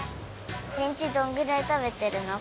１日どんぐらい食べてるの？